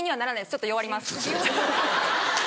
ちょっと弱ります。